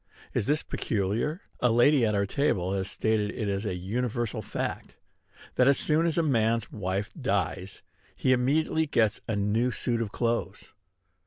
Is this peculiar? A lady at our table has stated it as a universal fact, that, as soon as a man's wife dies, he immediately gets a new suit of clothes.